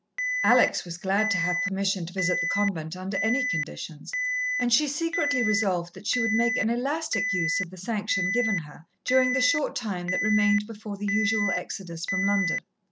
Alex was glad to have permission to visit the convent under any conditions, and she secretly resolved that she would make an elastic use of the sanction given her, during the short time that remained before the usual exodus from London.